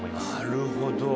なるほど。